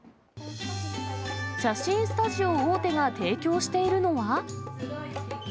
写真スタジオ大手が提供しているのは。